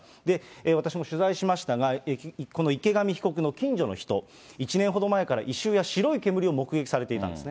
私も取材しましたが、この池上被告の近所の人、１年ほど前から異臭や白い煙を目撃されていたんですね。